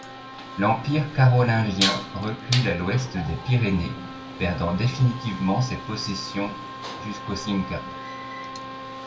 L'empire carolingien recule à l'ouest des Pyrénées, perdant définitivement ses possessions jusqu'au Cinca.